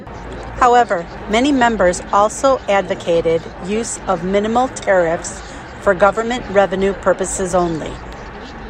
However, many members also advocated use of minimal tariffs for government revenue purposes only.